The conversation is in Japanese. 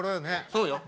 そうよ。